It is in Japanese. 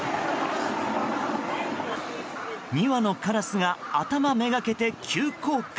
２羽のカラスが頭めがけて急降下。